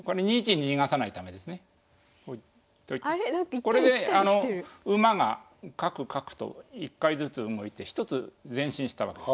これで馬がカクカクと１回ずつ動いて１つ前進したわけです。